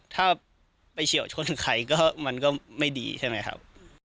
ถ้าไปเฉียวชนใครก็มันก็ไม่ดีใช่ไหมครับ